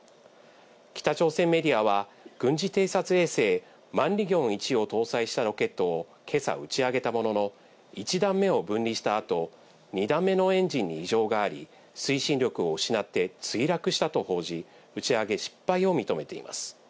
北朝鮮メディアは、軍事偵察衛星マンリギョン１を搭載したロケットをけさ打ち上げたものの、１段目を分離したあと、２段目のエンジンに異常があり、推進力を失って墜落したと報じ、打ち上げ失敗を認めています。